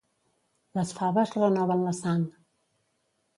Les faves renoven la sang.